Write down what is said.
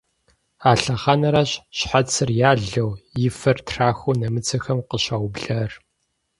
А лъэхъэнэращ щхьэцыр ялэу, и фэр трахуу нэмыцэхэм къыщаублар.